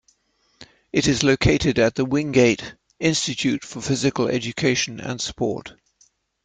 It is located at the Wingate Institute for Physical Education and Sport.